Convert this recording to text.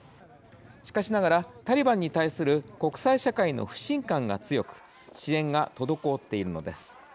しかしながら、タリバンに対する国際社会の不信感が強く支援が滞っているのです。